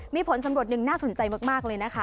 มีผลสำรวจหนึ่งน่าสนใจมากเลยนะคะ